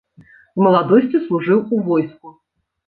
З маладосці служыў у войску.